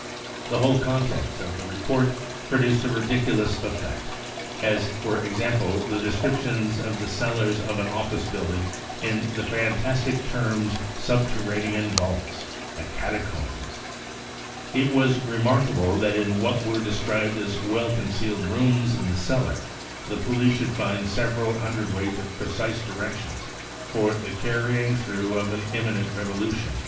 The whole contents of the report produced a ridiculous effect, as for example the description of the cellars of an office building in the fantastic terms c subterranean vaults 9 and e catacombs/ It was remarkable that in what were described as well concealed rooms in the cellar the police should find several hundredweight of precise directions for the carrying through of an imminent: * revolution.